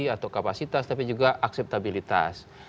atau kapasitas tapi juga akseptabilitas